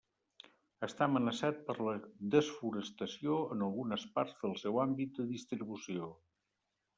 Està amenaçat per la desforestació en algunes parts del seu àmbit de distribució.